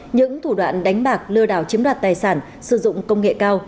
những thủ đoạn đánh bạc lừa đảo chiếm đoạt tài sản sử dụng công nghệ cao